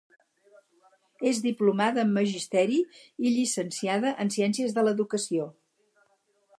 És diplomada en Magisteri i llicenciada en Ciències de l’Educació.